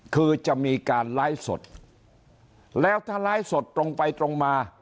คือจะมีการร้ายสดแล้วถ้าร้ายสดตรงไปตรงมา